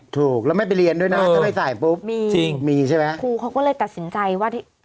ถูกแล้วไม่ไปเรียนด้วยนะถ้าไม่ใส่ปุ๊บมีจริงมีใช่ไหมครูเขาก็เลยตัดสินใจว่า